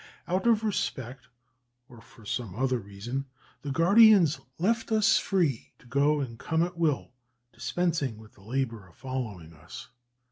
Out of respect, or for some other reason, the guardians left us free to go and come at will, dispensing with the labour of following us.